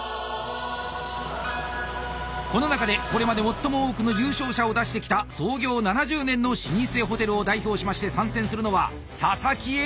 この中でこれまで最も多くの優勝者を出してきた創業７０年の老舗ホテルを代表しまして参戦するのは佐々木絵梨。